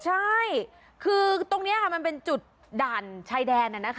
ใช่คือตรงนี้มันเป็นจุดด่านชายแดน